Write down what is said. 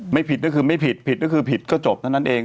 ไม่ผิดก็คือไม่ผิดผิดก็คือผิดก็จบเท่านั้นเอง